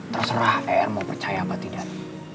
terserah er mau percaya apa tidak